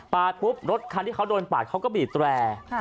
ปุ๊บรถคันที่เขาโดนปาดเขาก็บีบแตร